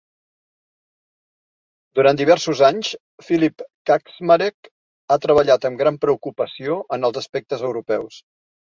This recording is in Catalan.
Durant diversos anys, Filip Kaczmarek ha treballat amb gran preocupació en els aspectes europeus.